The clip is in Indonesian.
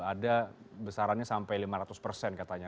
ada besarannya sampai lima ratus persen katanya